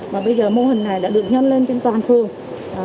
và bây giờ mô hình này đã được nhân lên trên toàn phường